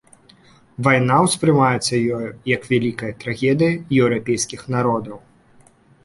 Вайна ўспрымаецца ёю як вялікая трагедыя еўрапейскіх народаў.